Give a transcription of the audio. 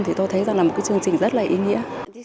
thì tôi thấy rằng là một cái chương trình rất là ý nghĩa